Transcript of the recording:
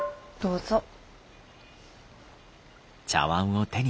どうぞ。